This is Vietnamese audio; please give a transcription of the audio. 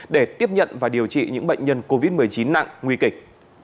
để tiếp nhận và điều trị những bệnh nhân covid một mươi chín nặng nguy kịch